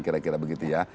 kira kira begitu ya